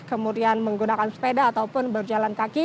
kemudian menggunakan sepeda ataupun berjalan kaki